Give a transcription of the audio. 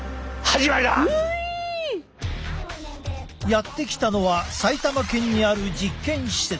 やって来たのは埼玉県にある実験施設。